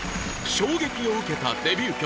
衝撃を受けたデビュー曲